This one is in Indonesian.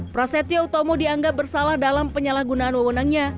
prasetya utomo dianggap bersalah dalam penyalahgunaan wewenangnya